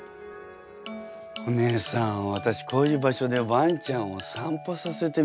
お姉さん私こういう場所でワンちゃんを散歩させてみたいわ。